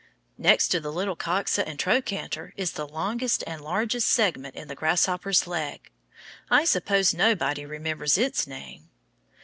Next to the little coxa and trochanter is the longest and largest segment in the grasshopper's leg; I suppose nobody remembers its name.